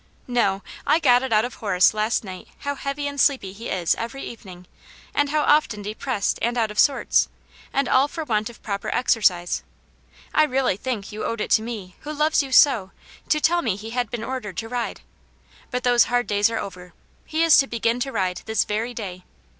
" No ; I got it out of Horace last night how heavy and sleepy he is every evening, and how often depressed and out of sorts, and all for want of proper exercise. I really think you owed it to me, who loves you so, to tell me he had been ordered to ride. But those hard days are over. He is to beg^'n to ride this very day.